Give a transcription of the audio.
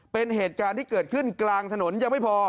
เป็นเหตุการณ์ที่เกิดขึ้นกลางถนนยังไม่พอ